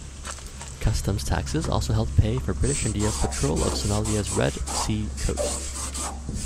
Customs taxes also helped pay for British India's patrol of Somalia's Red Sea Coast.